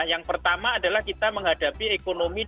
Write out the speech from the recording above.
yang pertama adalah kita menghadapi ekonomi